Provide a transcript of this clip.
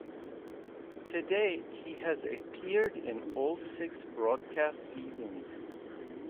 To date he has appeared in all six broadcast seasons.